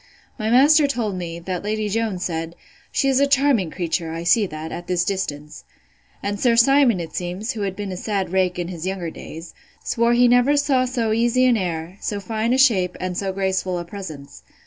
My master told me, that Lady Jones said, She is a charming creature, I see that, at this distance. And Sir Simon, it seems, who has been a sad rake in his younger days, swore he never saw so easy an air, so fine a shape, and so graceful a presence.